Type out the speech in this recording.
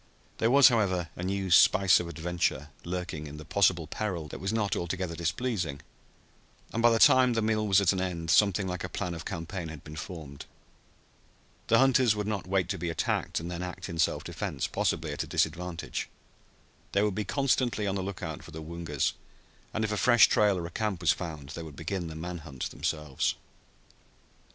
There was, however, a new spice of adventure lurking in this possible peril that was not altogether displeasing, and by the time the meal was at an end something like a plan of campaign had been formed. The hunters would not wait to be attacked and then act in self defense, possibly at a disadvantage. They would be constantly on the lookout for the Woongas, and if a fresh trail or a camp was found they would begin the man hunt themselves.